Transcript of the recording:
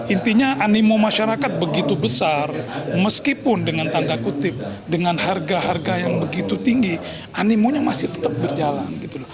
intinya animo masyarakat begitu besar meskipun dengan tanda kutip dengan harga harga yang begitu tinggi animonya masih tetap berjalan